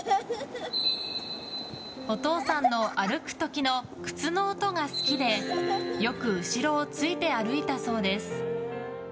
お父さんの歩く時の靴の音が好きでよく後ろをついて歩いたそうです。